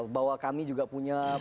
bahwa kami juga punya